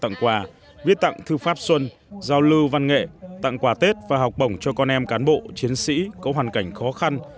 giao lưu văn nghệ tặng quà tết và học bổng cho con em cán bộ chiến sĩ có hoàn cảnh khó khăn